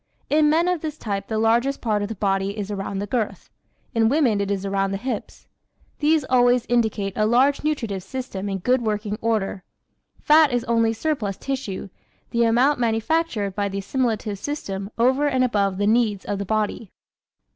In men of this type the largest part of the body is around the girth; in women it is around the hips. These always indicate a large nutritive system in good working order. Fat is only surplus tissue the amount manufactured by the assimilative system over and above the needs of the body.